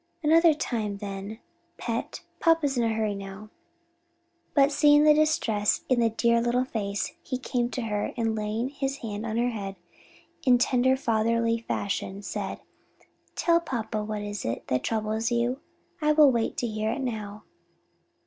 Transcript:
"Another time then, pet, papa's in a hurry now." But seeing the distress in the dear little face he came to her and laying his hand on her head in tender fatherly fashion, said, "Tell papa what it is that troubles you. I will wait to hear it now."